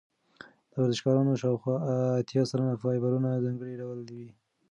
د ورزشکارانو شاوخوا اتیا سلنه فایبرونه ځانګړي ډول وي.